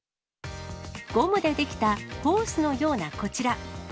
ゴムで出来たホースのようなこちら。